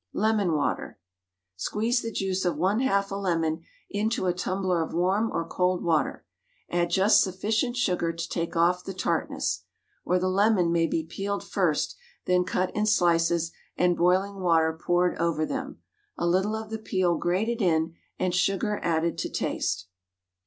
LEMON WATER. Squeeze the juice of 1/2 a Lemon into a tumbler of warm or cold water; add just sufficient sugar to take off the tartness. Or the lemon may be peeled first, then cut in slices, and boiling water poured over them; a little of the peel grated in, and sugar added to taste.